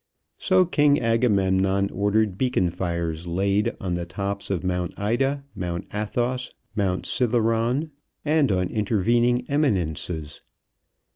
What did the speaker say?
So King Agamemnon ordered beacon fires laid on the tops of Mount Ida, Mount Athos, Mount Cithæron, and on intervening eminences.